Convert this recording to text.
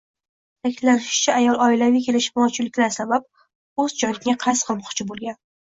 Ta’kidlanishicha, ayol oilaviy kelishmovchiliklar sabab o‘z joniga qasd qilmoqchi bo‘lgan